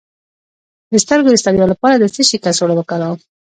د سترګو د ستړیا لپاره د څه شي کڅوړه وکاروم؟